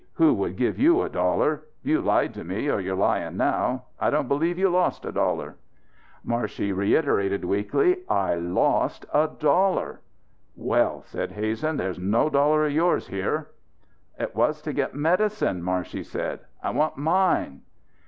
Who would give you a dollar? You lied to me, or you're lying now. I don't believe you lost a dollar." Marshey reiterated weakly: "I lost a dollar." "Well," said Hazen, "there's no dollar of yours here." "It was to git medicine," Marshey said. "It wa'n't mine."